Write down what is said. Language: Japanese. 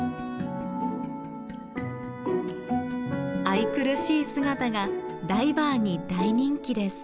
愛くるしい姿がダイバーに大人気です。